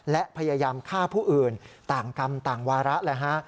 และพยายามฆ่าผู้อื่นต่างกรรมต่างวาระเลยฮะ